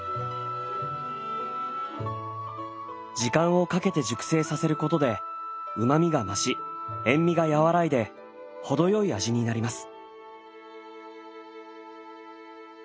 時間をかけて熟成させることでうまみが増し塩味が和らいで程良い味になります。